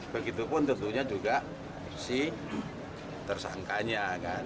begitupun tentunya juga si tersangkanya kan